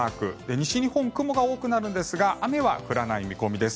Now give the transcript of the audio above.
西日本、雲が多くなるんですが雨は降らない見込みです。